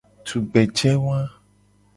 Tugbeje wa.